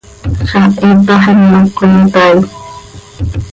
Zaah iitax imac cöimitai.